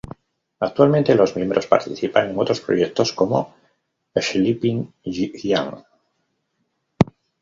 Actualmente los miembros participan en otros proyectos como Sleeping Giant.